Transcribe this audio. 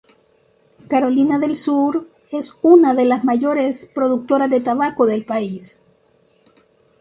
Carolina del Sur es una de las mayores productoras de tabaco del país.